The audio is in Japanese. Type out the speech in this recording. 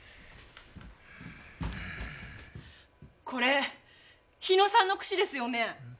これ日野さんの櫛ですよね？